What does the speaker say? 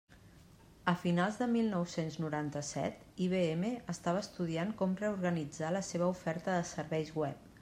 A finals de mil nou-cents noranta-set, IBM estava estudiant com reorganitzar la seva oferta de serveis web.